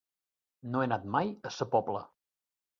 No he anat mai a Sa Pobla.